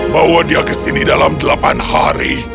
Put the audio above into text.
bawa dia ke sini dalam delapan hari